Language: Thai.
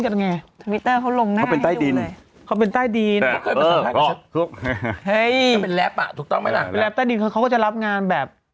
ใช่และเกี่ยวใช่เป็นแรปแรปของเขาคงจะรับงานแบบ